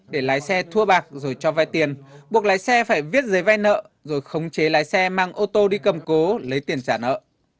để lái xe thua bạc rồi cho vai tiền buộc lái xe phải viết giấy vay nợ rồi khống chế lái xe mang ô tô đi cầm cố lấy tiền trả nợ